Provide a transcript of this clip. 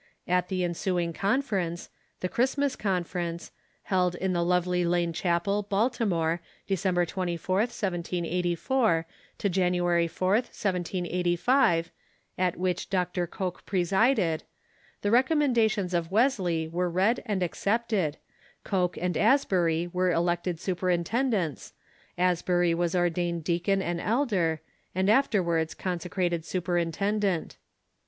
At the ensuing conference — the Christmas conference — held in the Lovely Lane Chapel, Baltimore, December 24th, 1 784, to January 4th, 1785, at Avhich Dr. Coke presided, the recommendations of Wesley were read and accepted. Coke and Asbury were elected superintendents, Asbury was ordained deacon and elder, and afterwards conse crated superintendent.